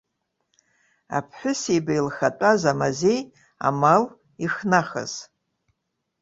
Аԥҳәысеиба илхатәаз, амазеи, амал ихнахыз!